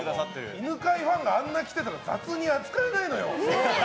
犬飼ファンがあんなに来てたら雑に扱えないのよ。